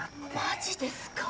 マジですか。